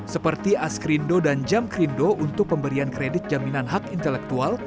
seperti askrindo dan jamkrindo untuk pemberian kredit jaminan hak intelektual